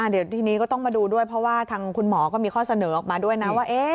เดี๋ยวทีนี้ก็ต้องมาดูด้วยเพราะว่าทางคุณหมอก็มีข้อเสนอออกมาด้วยนะว่า